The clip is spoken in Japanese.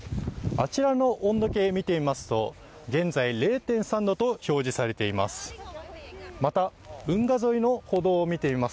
あちらの温度計見てみますと、現在０．３度と表示されています。